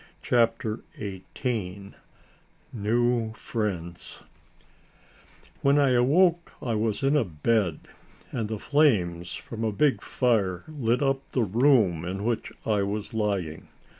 CHAPTER XVIII NEW FRIENDS When I awoke I was in a bed, and the flames from a big fire lit up the room in which I was lying.